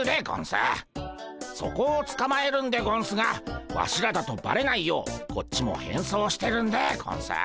そこをつかまえるんでゴンスがワシらだとバレないようこっちも変装してるんでゴンス。